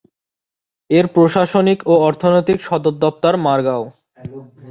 এর প্রশাসনিক ও অর্থনৈতিক সদর দপ্তর মারগাও।